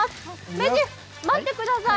名人、待ってください。